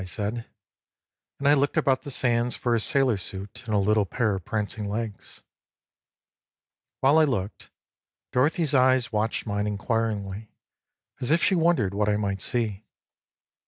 " I said ; and I looked about the sands for a sailor suit and a little pair of prancing legs. While I looked, Dorothy's eyes watched mine inquiringly, as if she wondered what I might see.